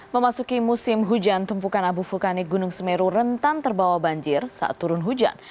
memasuki musim hujan tumpukan abu vulkanik gunung semeru rentan terbawa banjir saat turun hujan